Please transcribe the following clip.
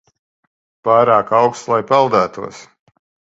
Pārāk auksts, lai peldētos.